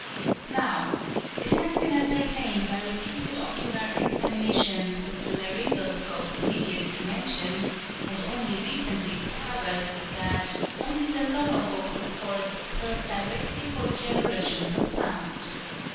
Now, it has been ascertained by repeated ocular examinations with the laryngoscope previously mentioned, and only recently discovered, that "only the lower vocal cords serve directly for the generations of sound."